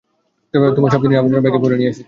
তোমার সব জিনিস আবর্জনার ব্যাগে ভরে নিয়ে এসেছি।